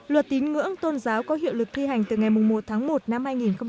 luật tín ngưỡng tôn giáo có hiệu lực thi hành từ ngày một tháng một năm hai nghìn hai mươi